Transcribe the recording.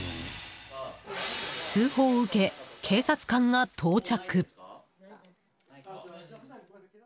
通報を受け、警察官が到着。